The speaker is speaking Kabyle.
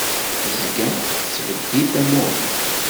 Tezga tettbeddil tamuɣli.